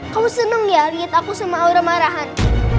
kamu senang ya lihat aku sama aura marahan